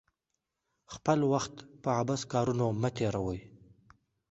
خپل وخت په عبث کارونو مه تیروئ.